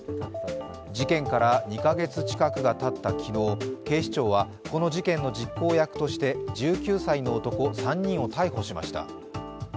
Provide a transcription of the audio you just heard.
事件から２か月近くがたった昨日、警視庁はこの事件の実行役として１９歳の男３人を逮捕しました。